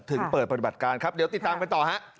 ถึงเปิดปฏิบัติการครับเดี๋ยวติดตามกันต่อฮะ